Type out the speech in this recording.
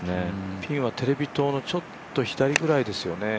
ピンはテレビ塔のちょっと左ぐらいですよね。